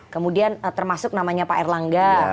kemudian termasuk namanya pak erlangga